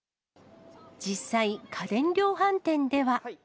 実際、家電量販店では。